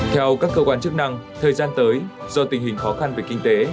theo các cơ quan chức năng thời gian tới do tình hình khó khăn về kinh tế